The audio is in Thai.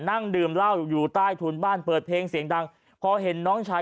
นั่งดื่มเหล้าอยู่ใต้ถุนบ้านเปิดเพลงเสียงดังพอเห็นน้องชาย